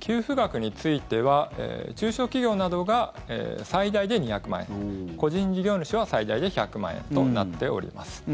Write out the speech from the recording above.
給付額については中小企業などが最大で２００万円個人事業主は最大で１００万円となっております。